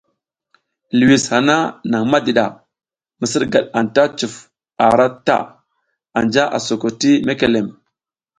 Liwis hana nang madiɗa, misirgad anta cuf ara ta, anja a soko ti mekelem.